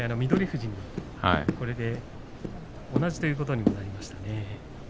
富士と同じということになりました。